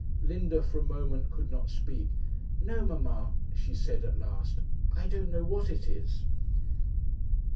Linda, for a moment, could not speak. 'No, mamma,' she said at last, 'I don't know what it is.'